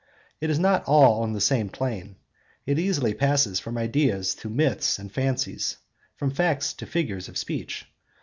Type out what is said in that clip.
It is not all on the same plane; it easily passes from ideas to myths and fancies, from facts to figures of speech.